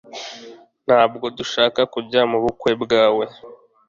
Ntabwo dushaka kujya mubukwe bwawe